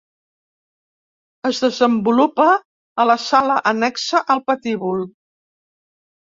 Es desenvolupa a la sala annexa al patíbul.